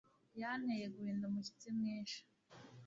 Yanteye guhinda umushyitsi mwinshi